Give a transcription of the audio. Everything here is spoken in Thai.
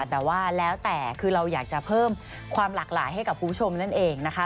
แต่ว่าแล้วแต่คือเราอยากจะเพิ่มความหลากหลายให้กับคุณผู้ชมนั่นเองนะคะ